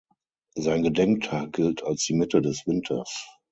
Sein Gedenktag gilt als die Mitte des Winters.